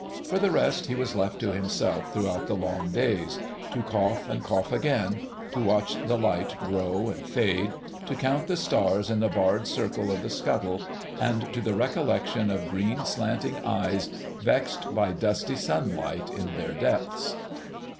For the rest, he was left to himself throughout the long days; to cough and cough again, to watch the light grow and fade, to count the stars in the barred circle of the scuttle, and to the recollection of green, slanting eyes vexed by dusty sunlight in their depths....